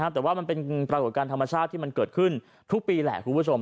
แต่ว่ามันเป็นปรากฏการณ์ธรรมชาติที่มันเกิดขึ้นทุกปีแหละคุณผู้ชม